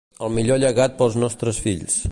El millor llegat pels nostres fills.